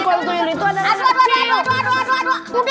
kalau trio itu ada anak kecil